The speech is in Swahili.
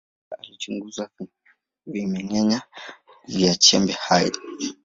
Hasa alichunguza vimeng’enya vya chembe hai.